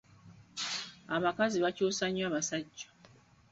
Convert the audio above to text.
Abakazi bakyusa nnyo abasajja.